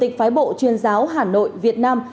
chủ tịch phái bộ chuyên giáo hà nội việt nam